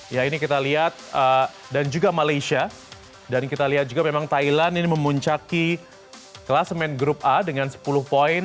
ya ini kita lihat dan juga malaysia dan kita lihat juga memang thailand ini memuncaki kelas main grup a dengan sepuluh poin